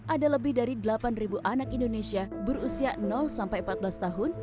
ada lebih dari delapan anak indonesia berusia sampai empat belas tahun